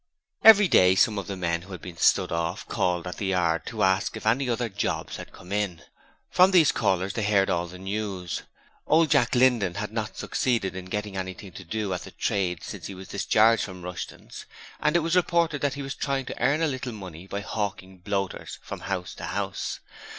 Every day some of the men who had been 'stood off' called at the yard to ask if any other 'jobs' had 'come in'. From these callers they heard all the news. Old Jack Linden had not succeeded in getting anything to do at the trade since he was discharged from Rushton's, and it was reported that he was trying to earn a little money by hawking bloaters from house to house.